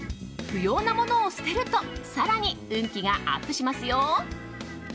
不要なものを捨てると更に運気がアップしますよ。